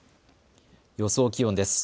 予想気温です。